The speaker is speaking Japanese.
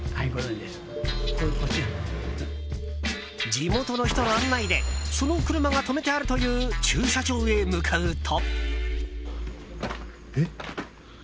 地元の人の案内でその車が止めてあるという駐車場へ向かうと。